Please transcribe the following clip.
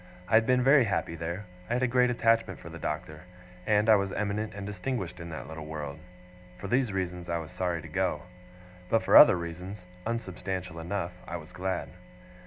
I had been very happy there, I had a great attachment for the Doctor, and I was eminent and distinguished in that little world. For these reasons I was sorry to go; but for other reasons, unsubstantial enough, I was glad.